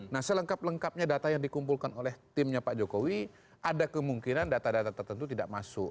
nah selengkap lengkapnya data yang dikumpulkan oleh timnya pak jokowi ada kemungkinan data data tertentu tidak masuk